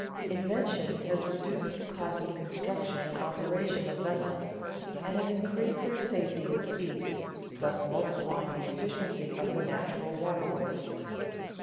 Invention has reduced the cost of construction and operation of vessels and has increased their safety and speed, thus multiplying the efficiency of the natural waterways.